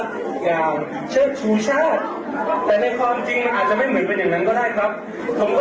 คำถามคือคุณจะคุยเจรจาแล้วไปกับคนรุ่นที่กำลังโตมาแทนรุ่นเราอย่างไรสักครู่ค่ะ